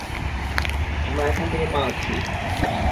আমরা এখান থেকে পালাচ্ছি।